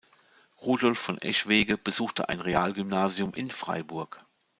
Rudolf von Eschwege besuchte ein Realgymnasium in Freiburg.